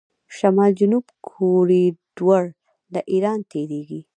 شمال جنوب کوریډور له ایران تیریږي.